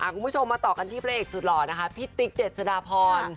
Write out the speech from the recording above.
คุณผู้ชมมาต่อกันที่แปรเอกสุดหล่อพี่ติ๊กเด็จสยดาพร